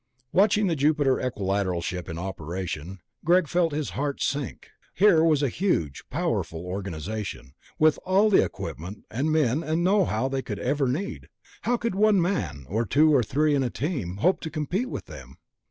Watching the Jupiter Equilateral ship in operation, Greg felt his heart sink. Here was a huge, powerful organization, with all the equipment and men and know how they could ever need. How could one man, or two or three in a team, hope to compete with them?